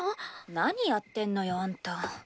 何やってんのよあんた。